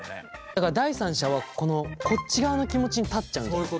だから第三者はこのこっち側の気持ちに立っちゃうんじゃない？